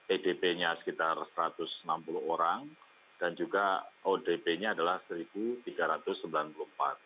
edp nya sekitar satu ratus enam puluh orang dan juga odp nya adalah satu tiga ratus sembilan puluh empat